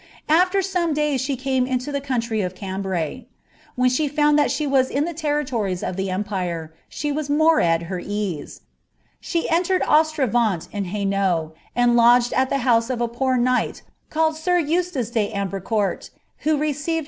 AAer some days she came into the country of Camhny. j When she fuund that she was in the territories of the empire, she «■• more ai her ease; she entered Ostrerani in Hainault, and lodged at ibi house of a poor knight, called sir Euslaee d'Ambreti court,* who rcoeirtd